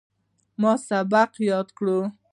ما سبق یاد کړ.